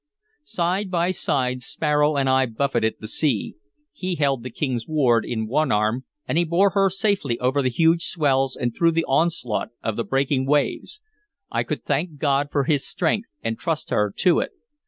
Side by side Sparrow and I buffeted the sea. He held the King's ward in one arm, and he bore her safely over the huge swells and through the onslaught of the breaking waves. I could thank God for his strength, and trust her to it.